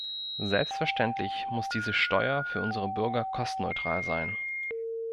Selbstverständlich muss diese Steuer für unsere Bürger kostenneutral sein.